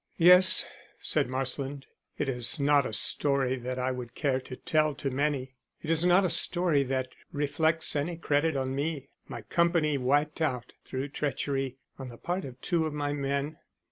"Yes," said Marsland. "It is not a story that I would care to tell to many. It is not a story that reflects any credit on me my company wiped out through treachery on the part of two of my men."